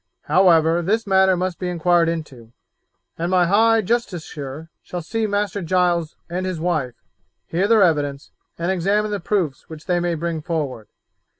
However, this matter must be inquired into, and my High Justiciar shall see Master Giles and his wife, hear their evidence, and examine the proofs which they may bring forward.